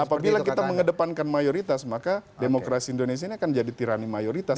apabila kita mengedepankan mayoritas maka demokrasi indonesia ini akan jadi tirani mayoritas